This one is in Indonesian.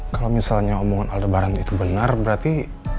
kalau misalnya omongan aldebaran itu benar berarti